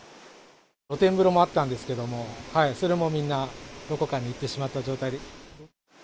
露天風呂もあったんですけど、それもみんな、どこかに行ってしまった状態で。